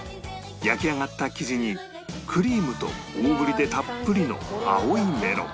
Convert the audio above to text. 焼き上がった生地にクリームと大ぶりでたっぷりの青いメロン